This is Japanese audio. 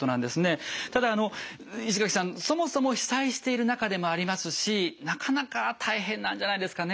ただ石垣さんそもそも被災している中でもありますしなかなか大変なんじゃないですかね。